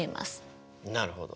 なるほど。